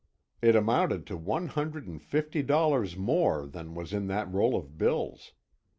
It amounted to one hundred and fifty dollars more than was in that roll of bills!